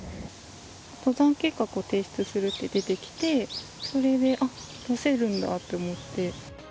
登山計画を提出するって出てきて、それで、あっ、出せるんだと思って。